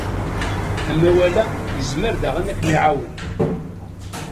Amawal-a yezmer daɣen ad kem-iɛawen.